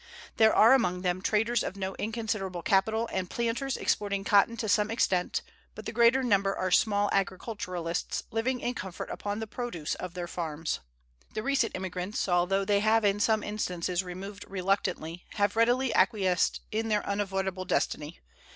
There are among them traders of no inconsiderable capital, and planters exporting cotton to some extent, but the greater number are small agriculturists, living in comfort upon the produce of their farms. The recent emigrants, although they have in some instances removed reluctantly, have readily acquiesced in their unavoidable destiny.